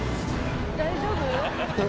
大丈夫？